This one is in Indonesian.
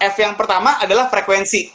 f yang pertama adalah frekuensi